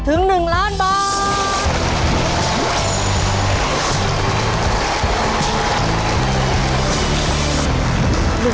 ถึง๑ล้านบาท